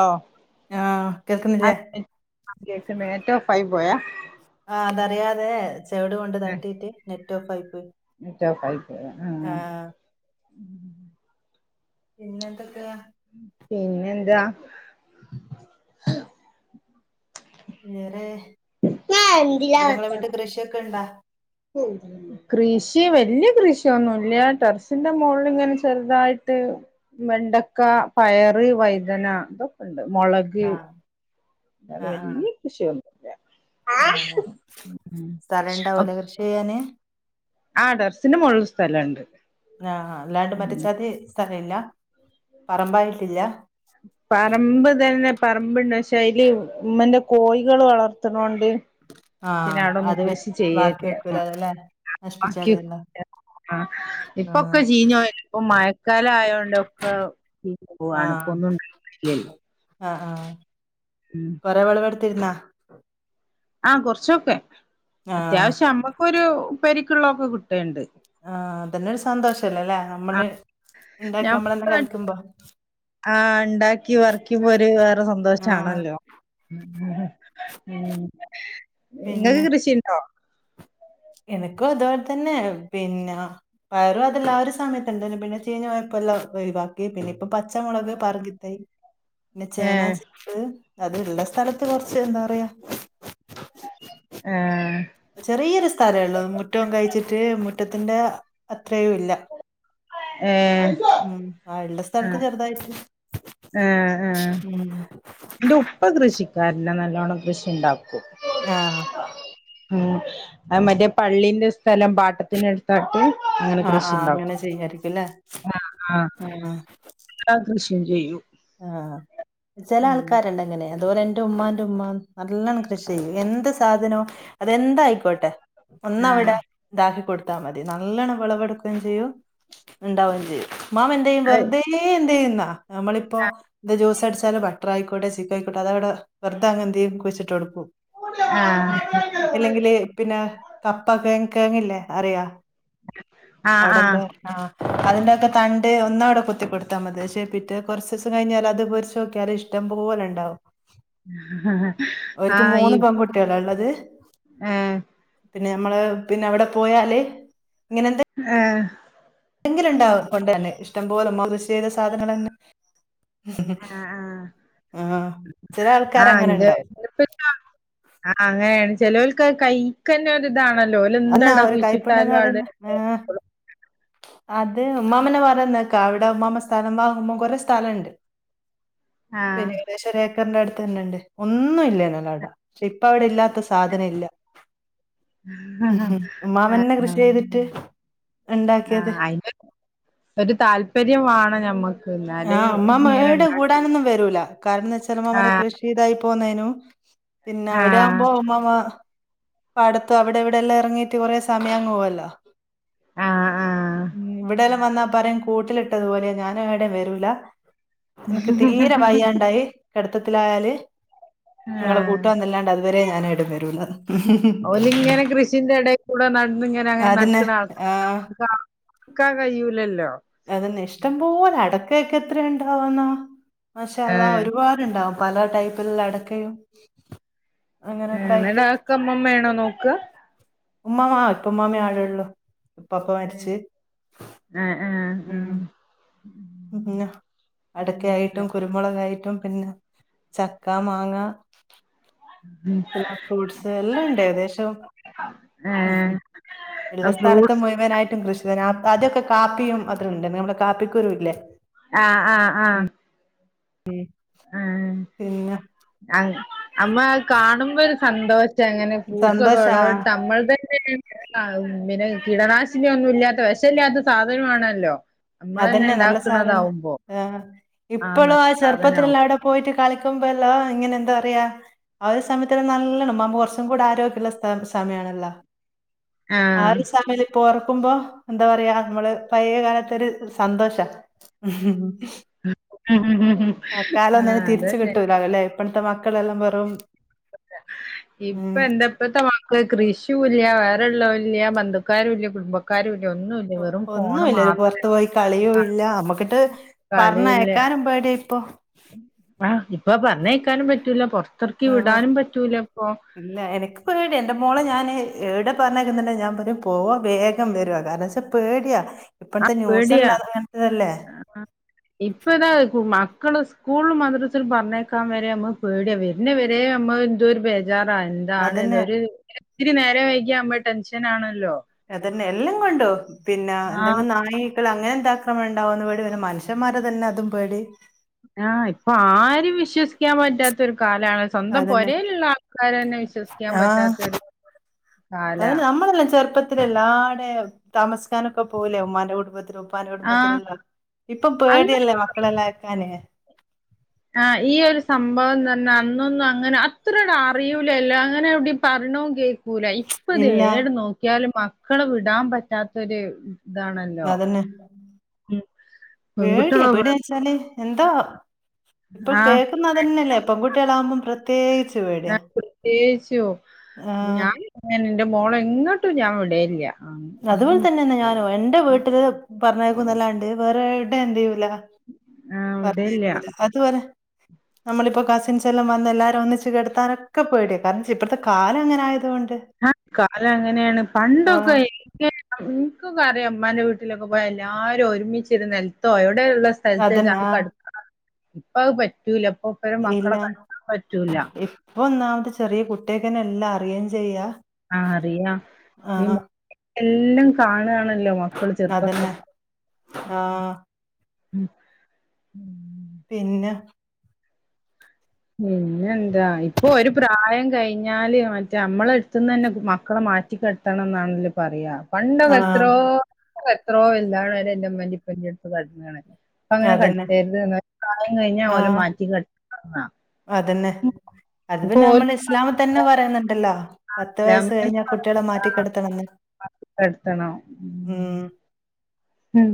ഓ ആഹ് അ കേൾക്കുന്നില്ലേ [inaudible] കേക്ക്ണ് നെറ്റ് ഓഫായിപോയ ആഹ് അതറിയാതെ സവഡ് കൊണ്ട് തട്ടിട്ട് നെറ്റ് ഓഫ് ആയി പോയി നെറ്റ് ഓഫായി പോയ ആ ആഹ് പിന്നെ എന്തൊക്കെയ പിന്നെ എന്താ വേറെ അവിടെങ്ങള വിട്ട് കൃഷിയൊക്കെ ഉണ്ടാ [unintelligible] കൃഷി വല്യ കൃഷിയൊന്നുംല്ല ടെറസിന്റെ മുകളിലിങ്ങനെ ചെറുതായിട്ട് വെണ്ടക്ക പയറ് വൈതന ഇതൊക്കെണ്ട് മുളക് ആ എന്നാലും ആ വല്ല്യാ കൃഷിയൊന്നുല്ല്യ ആ സ്ഥലുണ്ടാവുല കൃഷി ചെയ്യാന് ആ ഡർസിന് മുകളി സ്ഥലം ണ്ട് നഹ അല്ലാണ്ട് മറ്റച്ചാതി സ്ഥല ഇല്ല പറമ്പായിട്ടില്ല പറമ്പ് തന്നെ പറമ്പ്ണ്ട് പക്ഷേ അതില് ഉമ്മന്റെ കോഴികൾ വളർത്തണോണ്ട് പിന്നെ ആഹ് അവിടൊന്നും അത് വെ കൃഷി ബാക്കി ചെയ്യല്ല വെക്കൂലാലൊലേ നശിപ്പിച്ചാളല്ലോ ആ ആ ഇപ്പൊക്കെ ചീഞ്ഞോല്ല ഇപ്പ മഴക്കാലം ആയോണ്ടൊക്കെ ചീഞ്ഞുപോവാണ് ഇപ്പ ഒന്നും ഉണ്ടാ [inaudible] ഇല്ലാലോ ആഹ് ആഹ് ഉം കുറെ വിളവെടുത്തിരുന്നാ ആഹ് കുറച്ചൊക്കെ ആ അത്യാവശ്യം അമ്മക്കൊരു ഉപ്പേരിക്കുള്ളൊക്കെ കിട്ടുണ്ട് ആഹ് അതന്നെ ഒരു സന്തോഷല്ലല്ലേ നമ്മള് ആഹ് ഉണ്ടാക്കി ഞാൻ മ്മള എന്നെ കഴിക്കുമ്പോ ആഹ് ഉണ്ടാക്കി പർക്കുമ്പോ ഒരു വേറെ ആ സന്തോഷാണല്ലോ ഉം എങ്ങക്ക് കൃഷിണ്ടോ എനക്കും അതുപോലെ തന്നെ പിന്ന പയറും അതെല്ല ആ ഒരു സമയത്ത്ണ്ടന്നെ പിന്നെ ചീഞ്ഞ പോയപ്പ എല്ലാം ഒഴിവാക്കി പിന്നെ പ്പോ പച്ചമുളക് പറങ്കിത്തായി പിന്നെ ചേന ഏഹ് ചേ മ്പ് അത്ള്ള സ്ഥലത്ത് കുറച്ച് എന്താ പറയാ ഏഹ് ചെറിയൊരു സ്ഥലള്ളൂ മുറ്റവും കഴിച്ചിട്ട് മുറ്റത്തിന്റെ അത്രയും ഇല്ല ഏഹ് ഉം ആ ഉള്ള സ്ഥലത്ത് ആഹ് ചെറുതായിട്ട് എന്റെ ഉപ്പ കൃഷിക്കാരന നല്ലോണം കൃഷി ഉണ്ടാക്കും ആഹ് ഉം അ മറ്റേ പള്ളീന്റെ സ്ഥലം പാട്ടത്തിന് എടുത്തൊട്ട് ങ്ങനെ കൃഷി ഉണ്ടാക്കും തീനരിക്കല ആഹ് എല്ലാ കൃഷി ചെയ്യൂ ആഹ് ചില ആൾക്കാരുണ്ട്ങ്ങനെ അതുപോലെ എന്റെ ഉമ്മാന്റെ ഉമ്മാ നല്ലണം കൃഷി ചെയ്യും എന്ത് സാധനോ അതെന്തായിക്കോട്ടെ ആഹ് ഒന്നാവിടെ ഇതാക്കി കൊടുത്താ മതി നല്ലണ്ണം വിളവെടുക്കയും ചെയ്യും ഉണ്ടാവുകയും ചെയ്യും മ്മാമ എന്ത ചെയ്യും അത് വെറുതെ എന്തു ചെയ്യുന്നാ നമ്മളിപ്പോ ഇ ജ്യൂസ് അടിച്ചാല് ബ ബട്ടർ ആയിക്കോട്ടെ ചിക്കു ആയിക്കോട്ടെ അത അവിടെ വെറുതാടെന്ത്ചെയ്യും കുഴിച്ചിട്ട് കൊടുക്കും. ആഹ് അല്ലെങ്കില് പിന്നെ കപ്പ കേയങ്ങ് കേയങ്ങില്ലേ അറിയോ ആഹ് അവിടെന്താ ആഹ് ആഹ അതിന്റെക്കെ തണ്ട് ഒന്നവിടെ കുത്തി കെടുത്താൽ മതി ശേ പിറ്റേന്ന് കുറച്ച് ദിവസം കഴിഞ്ഞാൽ അത്പൊരിച്ച് നോക്കിയാല് ഇഷ്ടം പോലെ ഉണ്ടാവും. ഒര്ക്ക് ഈ മൂന്ന് പെൺകുട്ടികള ഉള്ളത്? ആഹ് പിന്നെ നമ്മള് പിന്നെ അവിടെ പോയാല് ഇങ്ങനെ എന്ത ഏ എന്തെങ്കില ഉണ്ടാവും കൊണ്ട് തന്നെ ഇഷ്ടം പോലെ ഉമ്മാമ യൂസ് ചെയ്ത സാധനങ്ങൾ തന്നെ ആഹ് ആഹ് ആഹ ചില ആൾക്കാര അങ്ങനെ ഉണ്ടാവും ആഹ അങ്ങനെയാണ് ചെി ലോല്ക്ക് കഴിക്കന്ന ഇതാണല്ലോ അന്നാ എന്താട ഒരു കൈപ്പുണ്യംന്ന് കുയിച്ചിട്ടാലും അവിടെ പറയുന്ന ആഹ് അത് ഉമ്മാമനെ പറയ നക്കാ അവിടെ ഉമ്മാ സ്ഥലം വാങ്ങുമ്പോം കൊറെേ സ്ഥലംണ്ട് [inaudible] [unintelligible] ഏക്കറിന്റെ അടുത്ത് തന്നെ ഉണ്ട് ഒന്നും ഇല്ല നല്ലോട പക്ഷെ ഇപ്പ അവിടെ ഇല്ലാത്ത സാധനം ഇല്ല. ആഹ ഉമ്മാമന്നെ ആഹ കൃഷി ചെയ്തിട്ട് ഉണ്ടാക്കിയത് ആയി ഒരു താല്പര്യംമാണ് ഞമ്മക്ക് എന്നാല് ആഹ് അമ്മാമ ഇങ്ങനെ ഏടെ ഉണ്ടാക്കാം കൂടാനൊന്നും വരൂല കാരണം ന്നച്ചാമ്മമ്മടെ ആഹ് കൃഷി ചെയ്തതായി പോന്നനു പിന്നെ ആഹ് അവിടെയാവുമ്പോ ഉമ്മാമ പാടത്ത് അവിടെ ഇവിടെയല്ലാം ഇറങ്ങീട്ട് കുറെേ സമയംങ്ങ പോവുല്ലോ ആഹ് ആഹ് ഉ ഇവിടെയെല്ലാം വന്നാ പറയും കൂട്ടിലിട്ടത്പോലെയാ ഞാനും എവിടെയും വരൂല എനക്ക് തീരെ വയ്യണ്ടായി കെടുത്തത്തിലായാല് നിങ്ങളെ ആഹ് കൂട്ടംന്നല്ലാണ്ട് അതുവരെ ഞാൻ ഏടുംവരൂലാന്ന് ഓൽങ്ങനെ കൃഷിന്റെ ഇടെ കൂടെ നടന്ന് ഞൻ അങ്ങനെ അതന്നെ നട്ക്ക്ണ ആഹ് ആൾക്കാര [unintelligible] ക്ക കയ്യൂലല്ലോ അതന്ന ഇഷ്ടം പോലെ അടക്കയൊക്കെ എത്ര ഉണ്ടാവന്നാ പക്ഷേ അല്ലാ ഏഹ് ഒരുപാട്ണ്ടാവും പല ടൈപ്പിലുള്ള അടക്കയും അങ്ങനെയൊക്കെ ആയിട്ട് ക്ക ഉമ്മമ്മ ആണോ നോക്ക ഉമ്മാമ പ്പ ഉമ്മാമേ ആടള്ളു ഉപ്പാപ്പ മരിച്ച് ആഹ് ആഹ് ഉം ആഹ് പിന്നെഅടക്കയായിട്ടും അങ്ങനെ കുരുമുളക്ായിട്ടും പിന്നെ ചക്ക, മാങ്ങ പിന്നെ ഫ്രൂട്ട്സ് എല്ലാം ഉണ്ട് ഏകദേശം ഏഹ് ഉള്ള സ്ഥലത്ത് ഫ്രൂട്ട്സ് മുഴുവ വനായിട്ടും കൃഷി [unintelligible] അതൊക്കെ കാപ്പിയും അത്ര ഉണ്ട് നമ്മള കാപ്പിക്കൂരും ഇല്ലേ ആഹ ആഹ ആഹ ഉം പിന്നെ ആ അമ്മ അഹ് കാണുമ്പോ ഒരു സന്തോഷ [unintelligible] അങ്ങനെ ഫ്രൂട്ട്സ് ഒക്കെ സന്തോഷ ആ വിളവ് ടുത്താ നമ്മൾ തന്നെയാണ് പിന്നെ കീടനാശിനിയ ഒന്നും ഇല്ലാത്ത വെശല്ലാത്ത സാധനമാണല്ലോ നമ്മളന്നെ അതന്നെ നല്ല സാധനം ഉണ്ടാക്കുന്നതാവുമ്പോ ആ ഇപ്പളും നല്ല ആ ചെറുപ്പത്തിലെല്ല സാധനാവും അവിടെ പോയിട്ട് കളിക്കുമ്പോല്ലോ ഇങ്ങനെ എന്താ പറയാ ആ ഒരു സമയത്ത് നല്ലണം [unintelligible] കുറച്ചും കൂടെആരോഗ്യള്ള സമയണല്ലോ ആ ആഹ് സമയ ഇപ്പ ഓറ്ക്കുമ്പോ എന്താ പറയാ നമ്മള് പഴേ കാലത്തൊരു സന്തോഷ അ കാലന്നും ആഹ് തിരിച്ച് അതന്നെ കിട്ടൂലല്ലേ ഇപ്പഴത്തെ മക്കളെല്ലാം വെറും ഉം ഇപ്പൊ എന്താപ്പത്തെ കൃഷിയുംല്ല വേറെ ഉള്ളവും ഇല്ല ബന്ധുക്കാരും ഇല്ല കുടുംബക്ക ഒന്നുല്ല ഒരു പുറത്ത് പോയി കളിയും ആഹ് ഇല്ല നമ്മക്കിട്ട് കളിയില്ല പറഞ്ഞേക്കാനും പേടിയ ഇപ്പൊ ആഹ് ഇപ്പൊ പറഞ്ഞേക്കാനും പറ്റൂല പൊറത്തിറക്കി ആഹ് വിടാനും പറ്റൂല ഇപ്പൊ ഇല്ല എനിക്ക് പേടിയാ എന്റെ മോളെ ഞാന് എവിടെപറഞ്ഞക്കുന്നുണ്ട ഞാൻ പറഞ്ഞ പോവാ വേഗം വരുവാ കാരണം വച്ചാൽ പേടിയാ ആ ഇപ്പഴത്തെ പേടിയാ ന്യൂസല്ലാത അങ്ങനത്തതല്ലേ ഇപ്പ താ മക്കള് സ്കൂള മദ്രസൽ പറഞ്ഞേക്കാൻ വരെമ്മ പേടിയാ വരുന്ന വരേ നമ്മഎന്തൊരു വേ ചാറാ എന്താണ് അതന്നെ ഒരു ഇത്തിരി നേരം വൈകിയാ നമ്മൾ ടെൻഷൻ ആണല്ലോ അതന്നെ എല്ലാം കൊണ്ടോ പിന്നെ ആഹ് എന്തെങ്കും നായി ഇല്ല അങ്ങനെ എന്താക്ക ഉണ്ടാവുന്നന്ന് പേടി മനുഷന്മാരെ തന്നെ അതും പേടി ആഹ് ഇപ്പംആരും വിശ്വസിക്കാൻ പറ്റാത്ത ഒരു കാലാണ് സ്വന്തം െപാ അതന്നെ രേല്ള്ളആൾക്കാര തന്നെ വിശ്വസിക്കാൻ പറ്റാത്തരു അത് നമ്മളെല്ലാം ചെറുപ്പം ആദൃം എല്ലാടെ താമസിക്കാനൊക്കെ പോകൂലേ ഉമ്മൻ്റെ കുടുംബത്തിലും ഉപ്പ ആഹ് കുടുംബത്തിലല്ലോ ഇപ്പം അന്ന് പേടിയല്ലേ മക്കളെല്ലാം അയക്കാന് ഈ ഒരു സംഭവം പറഞ്ഞാ അന്നൊന്നും അങ്ങനെ അത്ര ഒരു അറിയൂലല്ലോ അങ്ങനെ എവിടെയും പറയ്ണതും കേക്കൂ കൂല ഇപ്പൊ ഇല്ല എവിടെ നോക്കിയാലും മക്കളെ വിടാൻ പറ്റാത്തൊരു ഇതാണല്ലോ അതന്നെ പെൺകുട്ടികളാ എന്താച്ചാല് എന്തോ ഇപ്പൊ ആഹ് കേൾക്കുന്നത് അതെന്നെല്ലേ പെൺകുട്ടികളാകുമ്പോൾ പ്രത്യേകിച്ച് പേടിയാ ആഹ് ആഹ് ഞൻ എന്റെ മോളേ എങ്ങോട്ടും ഞാൻ വിടലില്ല അതുപോലെ തന്നെയെന്ന ഞാനും എന്റെ വീട്ടില് പറഞ്ഞേക്കുന്നല്ലാണ്ട് വേറെ ഇവിടെയും എന്ത് ചെയ്യൂല ആഹ് വിടേല്ല പറഞ്ഞേക്കൂല അത് വരെ നമ്മളിപ്പോ കസിൻസ് എല്ലാം വന്ന് എല്ലാവരും ഒന്നിച്ച് കിടത്താനൊക്കെ പോടിയാ കാരണം ഇപ്പോഴത്തെ കാലം അങ്ങനെ ആയതോണ്ട് ആഹ് കാലം അങ്ങനെയാണ് പണ്ടൊക്കെ ഇൻക്കൊക്കെ അറിയ ഇമ്മാന്റെ വീട്ടിലൊക്കെ പോയ എല്ലാരും ഒരുമിച്ചിരുന്ന് നൽത്തോ എവിടെ ഉള്ള സ്ഥല അതന്നെ സ്ഥലത്ത് ആഹ് കടുക്ക ഇപ്പം അത് പറ്റൂല ഇപ്പൊ ഇപ്പഴും മക്കളെ ഇല്ലാ കെടത്താൻ പറ്റൂല ഇപ്പൊ ഒന്നാമത്ത് ചെറിയ കുട്ട്യേൾക്ക് എല്ലാം അറിയും ചെയ്യാം ആഹ് അറിയാം ഇപ്പം ഈ മൊബൈൽ എല്ലാം കാണുകണല്ലോ മക്കള് ചെറുപ്പം അതന്നെ തൊട്ടെ ആഹ് ഉം പിന്നെ പിന്നെന്താ ഇപ്പൊ ഒരു പ്രായം കഴിഞ്ഞാല് മറ്റേ നമ്മളെ അടുത്തുന്ന് തന്നെ മക്കളെ മാറ്റി കെടത്ത കിടത്തണം എന്നാണല്ലോ പറയാ പണ്ടൊക്കെ ആഹ് എത്രോ എത്രോ വലുതാവ്ണെ വരെ എൻ്റെ ഉമ്മൻ്റിം ഉപ്പൻ്റിം അടുത്ത് കടന്ന്ണ് ഇപ്പം അങ്ങനെ അതന്നെ കടത്തരുത് ഒരു കാലം കഴിഞ്ഞാ ഓലെ ആഹ് മാറ്റി കടത്തണം ന്നാ അതന്നെ അത് പിന്നെ നമ്മളെ ഇസ്ലാമിൽ തന്നെ പറയുന്നുണ്ടല്ലോ പത്ത് വയസ്സ് കഴിഞ്ഞാ കുട്ടികളെ മാറ്റി മാറ്റിക്കെടുത്തണംന്ന് കെടത്തണം. ഉം ഉം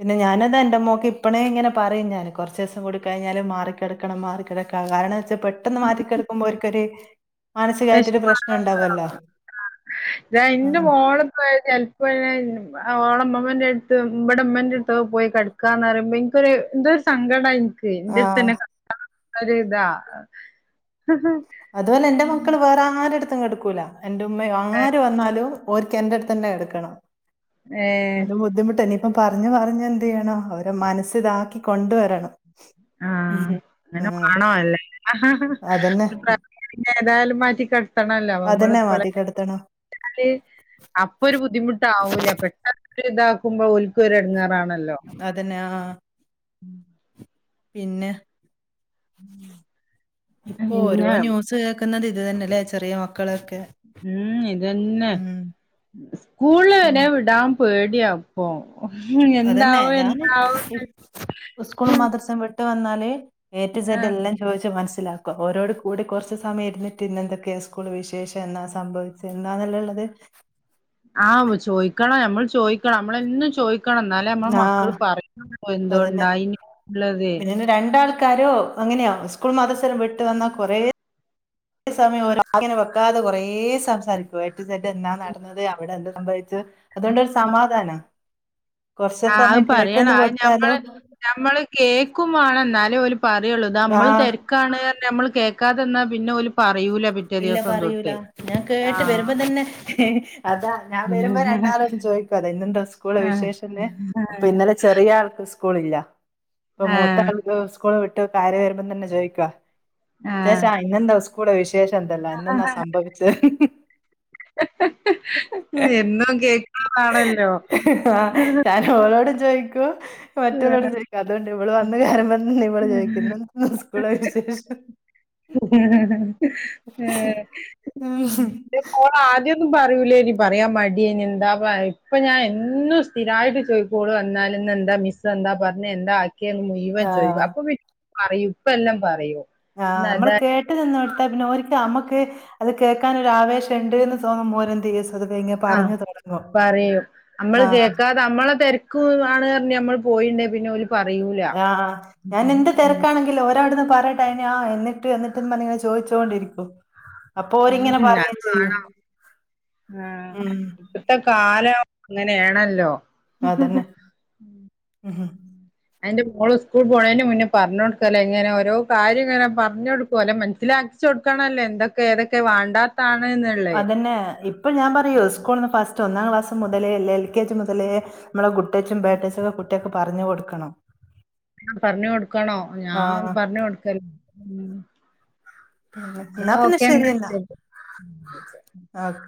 പിന്നെ ഞാൻ എന്റെ മോക്ക് ഇപ്പയേ ഇങ്ങനെ പറയും ഞൻ കുറച്ച് ദിവസം കൂടെ കഴിഞ്ഞാൽ മാറിക്കെട മാറിക്കിടക്കാ കാരണം എന്തെന്ന് വെച്ചാൽ പെട്ടെന്ന് മാറിക്കിടക്കുമ്പോൾ ഓൽക്കൊരു വേഷ്മം ആണല്ലോ ഇതാ ഇന്റെ ആഹ് മോള് ഇപ്പയ്ന് ഓള് ഉമ്മന്റെ അടുത്ത് ഇവിടെ ഉമ്മൻ്റെ അടുത്ത് പോയി കടക്കാന്ന് പറയുമ്പോ എനിക്കൊരു എന്തരു സങ്കടം എനിക്ക് എന്റെ ആഹ് അടുത്തന്നെ കടത്തണംന്ന ഒരുതാ അതുപോലെ എന്റെ മക്കള് വേറെ ആരടുത്തും കടുക്കൂല എന്റെ ഉമ്മയും ആര് വന്നാലും ഓര്ക്ക് ഏൻ്റെടുത്ത് തന്നെ കെടക്കണം ഏഹ് അത് ബുദ്ധിമുട്ട് തന്നെയാ പറഞ്ഞ് പറഞ്ഞ് എന്ത് ചെയ്യണം അവരെ മനസ്സലാക്കി കൊണ്ടുവരണം ഉം ആഹ് ആ, അങ്ങനെ മാണോ അല്ലേ അതന്നെ പിന്നെ ഏതായാലും മാറ്റി കിടത്തണല്ലോ അതന്നെ നമ്മളിപ്പളെ മാറ്റി കിടത്തണം [unintelligible] അപ്പൊ ഒരു ബുദ്ധിമുട്ടാവൂല പെട്ടെന്ന് [unintelligible] ഇതാക്ക്മ്പോ ഓല്ക്കൊരു എടങ്ങാറാണല്ലോ അതെന്നെ ആഹ് ആഹ് ആഹ് പിന്നെ ഇപ്പൊ ഓരോ തന്നെ. ന്യൂസ് കേക്ക്ന്നത് ഇത് തന്നെല്ലേ ചെറിയ മക്കളൊക്കെ ഉം ഇതെന്നെ ഉം സ്കൂള്ല് പിന്നെ വരെ വിടാം പേടിയാ ഇപ്പൊ അതന്നെ എന്താവും ഞാനും എന്താവും ഉ ഉസ്കൂളും മദ്രസ്സും വി ട്ട് വന്നാല് ഏ ടു സെഡ് ആഹ് എല്ലേം ചോയിച്ച് മനസ്സിലാക്കാ ഓരോട്ക്കൂടി കൊറച്ച് സമയം ഇരിന്നിട്ട് ഇന്ന് എന്തെക്കെയാ സ്കൂള് വിശേഷം എന്നാ സംഭവി തിന്നാന്ന്ള്ളെ ഇള്ളത് ആഹ് മ് ചോയ്ക്കണം നമ്മൾ ചോയ്ക്കണം നമ്മളെന്നും ചോയ് ക്കണം ഇന്നാലേ അമ്മളെ ആഹ് മക്കള് [unintelligible] എന്തോണ്ടായിന്ന്ള്ളതെ രണ്ടാൾക്കാരു അങ്ങനെയാ സ്കൂൾ മദ്രസ്സല്ലാം വിട്ട് വന്ന കൊറെ സമയം [unintelligible] വെക്കാതെ കൊറേ സംസാരിക്കും എ ടു സെറ്റന്നാ നട് ന്നത് അവടെ എന്ത് സംഭവിച്ചു അതോണ്ടൊര് സമാധാനാ കൊറ്ച്ച് ആഹ് അത് സമയം പറയണം കേട്ട്ന്ന് അത് കൊട്ത്താലും ഞമ്മള് കേക്കും വാണം ന്നാലേ ഓല് പറയുള്ളൂ. ഇതമ്മള് ആഹ് തെര് ക്കാണ് യർഞ്ഞ നമ്മള് കേൾക്കാതെന്നാ പിന്നെ ഓല് പറയൂല പി ഇല്ല പറയൂല ഞാൻ കേട്ട് വെരുമ്പതന്നെ ഏഹ് അതാ ഞാൻ വരുമ്പോ രണ്ടാളോടും ചൊയ്കത് ഇന്നെന്താ സ്കൂള് ആഹ് വിശേഷന്ന് അപ്പൊ ഇന്ന് ചെറിയ ആൾക്ക് സ്കൂൾ ഇല്ല ഇപ്പൊ ആഹ് മൂത്താൾക്ക് സ്കൂള് വിട്ട് കയറി വരുമ്പോ തന്നെ ചോയ്ക്ക ആഹ് ചാച്ചാ ഇന്നെന്താ സ്കൂളിലെ വിശേഷം? എന്തല്ല എന്നന്നെന്നാ സംഭവിചെ [unintelligible] [unintelligible] എന്നും കേക്കണതാണല്ലോ ആഹ് [unintelligible] ഞാൻ ഓളോടും ചോയിക്കും മറ്റുള്ളോടും ചോയ്ക്കും അതുകൊണ്ട് ഇവള് വന്ന് കേറുംമ്പോം തന്നെ ഇവള് ചോയ്ക്കുന്ന്. സ്കൂളെ വിശേഷം. ഏ ൻ്റെ മോളാദ്യം ന്നും പറയുലേനി പറയാൻ മടിയേനി എന്താപ്പ അഹ് ഇപ്പൊ ഞാ എന്നും സ്ഥിരായിട്ട് ചോയി ഇപ്പൊ ഓള് വന്നാല് ഇന്നെന്താ മിസ്സെന്താ പറ്ഞ്ഞേ എന്താ ആക്കിയേന്ന് മു ഴുവൻ ചോയ്ക്കും ആഹ് അപ്പൊ പിന് പറയും ഇപ്പെല്ലാം പറയും ആഹ് ഇന്ന് നമ്മള് അതാ കേ ട്ട് നിന്നോട്താ പിന്നെ ഓര്ക്ക് നമ്മക്ക് അത് കേക്കാനൊര് ആവേശം ഇണ്ട്ന്ന് തോന്നുമ്പോ ഓരന്തെയ്യും സ്വധവേ ഇങ്ങ ആഹ് പറിയും അമ്മള് ആഹ് കേക്കാ ഇതമ്മളെ തെരക്കു ആണ് പറ്ഞ്ഞ് ഞമ്മള് പോയീണ്ടേൽ പിന്നെ ഓല് പറയൂല്ല ആഹ് ഞാൻ എന്ത് തെരക്കാണെങ്കിലും ഓരഅവടന്ന്പറഞ്ഞിട്ട് [unintelligible] എന്നിട്ട് എന്നിട്ട്ന്ന് പറഞ്ഞിട്ടിങ്ങനെ ചോദിച്ചോണ്ടിരിക്കും. അപ്പൊ ഓരിങ്ങനെ പറയയും അത് ചെയ്യും വേണം ഉം ഇപ്പത്ത കാലം ങ്ങനെണല്ലോ അതന്നെ. ഞാൻ എന്റെ മോള് സ്കൂൾ പോണേന്റെ മുന്നേ പറഞ്ഞ് കൊട്ക്കല എങ്ങനെ ഓരോ കാര്യം ഇങ്ങനെ പർഞ്ഞൊട്ക്കും ഓലെ മൻസ്സിലാ [unintelligible] എന്തൊക്കെ ഏതൊക്കെ വാണ്ടാന്ന്. എന്താണ്ന്ന്ള്ളെ. അതന്നെ ഇപ്പൊ ഞാൻ പറയും സ്കൂൾന്ന് ഫസ്റ്റ് ഒന്നാം ക്ലാസ് മുതലേ അല്ലേ എൽ കെ ജി മുതലേ നമ്മളെ ഗുഡ്ടചും ബേടചും കുട്ട്യക്ക് പർഞ്ഞ് കൊട്ക്കണം. പർഞ്ഞ് കൊട്ക്കണം ഞാൻ ആഹ് പർഞ്ഞ് കൊട്ക്കല് ന്നാ എന്നാ പിന്നെ ഓക്കെ എന്നാ ശരിയന്നാ. ശരി [inaudible] ആഹ്.